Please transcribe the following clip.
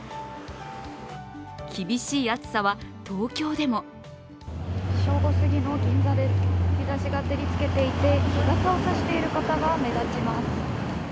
厳しい暑さは東京でも正午すぎの銀座です日ざしが照りつけていて日傘を差している方が目立ちます。